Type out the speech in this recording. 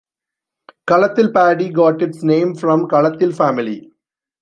Kalathilpady got its name from Kalathil Family.